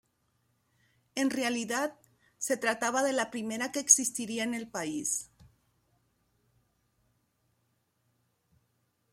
En realidad, se trataba de la primera que existiría en el país.